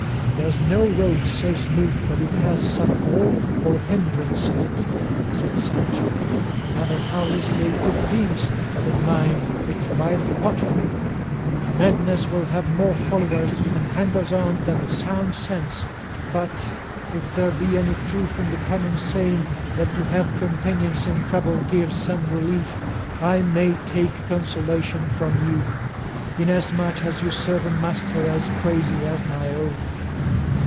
"There's no road so smooth but it has some hole or hindrance in it," said Sancho; "in other houses they cook beans, but in mine it's by the potful; madness will have more followers and hangers on than sound sense; but if there be any truth in the common saying, that to have companions in trouble gives some relief, I may take consolation from you, inasmuch as you serve a master as crazy as my own."